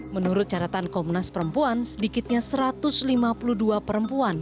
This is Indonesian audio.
menurut caratan komnas perempuan sedikitnya satu ratus lima puluh dua perempuan